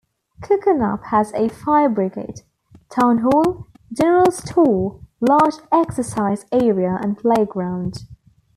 Cookernup has a Fire Brigade, Town Hall, General Store, large exercise area and playground.